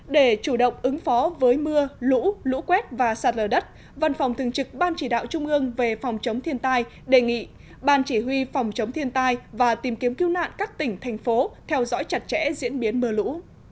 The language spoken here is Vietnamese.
để chủ động ứng phó với mưa lũ lũ quét và sạt lở đất văn phòng thường trực ban chỉ đạo trung ương về phòng chống thiên tai đề nghị ban chỉ huy phòng chống thiên tai và tìm kiếm cứu nạn các tỉnh thành phố theo dõi chặt chẽ diễn biến mưa lũ